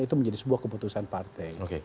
itu menjadi sebuah keputusan partai